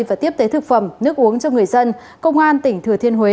và tiếp tế thực phẩm nước uống cho người dân công an tỉnh thừa thiên huế